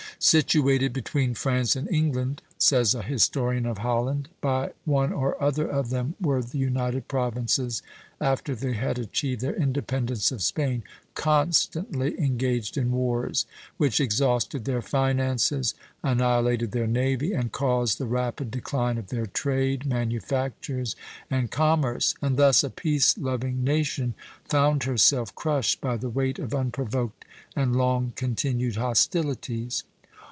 "Situated between France and England," says a historian of Holland, "by one or other of them were the United Provinces, after they had achieved their independence of Spain, constantly engaged in wars, which exhausted their finances, annihilated their navy, and caused the rapid decline of their trade, manufactures, and commerce; and thus a peace loving nation found herself crushed by the weight of unprovoked and long continued hostilities.